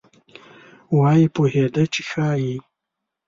وایي پوهېده چې ښایي.